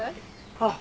あっ。